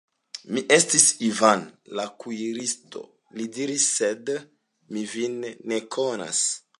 Mi estas Ivan, la kuiristo, li diris, sed mi vin ne konas.